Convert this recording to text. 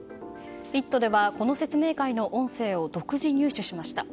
「イット！」ではこの説明会の音声を独自入手しました。